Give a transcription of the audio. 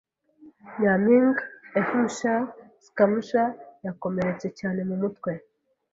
Nyampinga F Michael Schumacher yakomeretse cyane mumutwe.